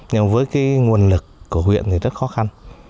nhưng với cái nguồn lực của huyện thì rất khó khăn